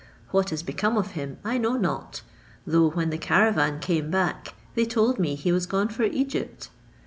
What is become of him I know not; though, when the caravan came back, they told me he was gone for Egypt.